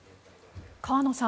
河野さん